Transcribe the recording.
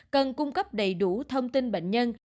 cần cung cấp đầy đủ thông tin bệnh nhân